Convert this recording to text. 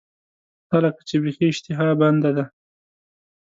ستا لکه چې بیخي اشتها بنده ده.